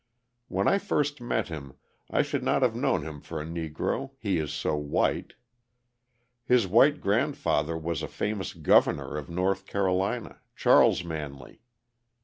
When I first met him I should not have known him for a Negro, he is so white. His white grandfather was a famous governor of North Carolina Charles Manley.